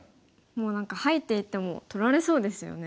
もう何か入っていっても取られそうですよね。